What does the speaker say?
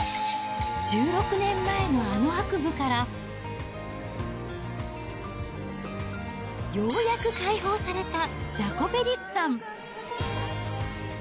１６年前のあの悪夢から、ようやく解放されたジャコベリスさん。